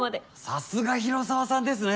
さすが広沢さんですね。